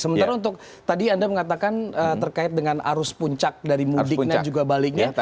sementara untuk tadi anda mengatakan terkait dengan arus puncak dari mudik dan juga baliknya